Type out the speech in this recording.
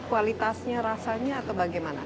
kualitasnya rasanya atau bagaimana